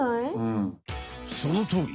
そのとおり！